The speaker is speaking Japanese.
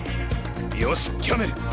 よしキャメル。